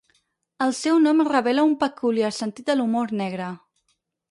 El seu nom revela un peculiar sentit de l'humor negre.